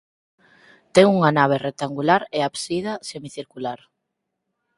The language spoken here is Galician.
Ten unha nave rectangular e ábsida semicircular.